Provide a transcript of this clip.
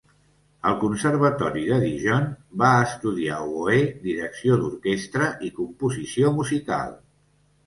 Al Conservatori de Dijon va estudiar oboè, direcció d'orquestra, i composició musical.